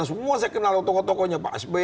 semua saya kenal tokonya pak sb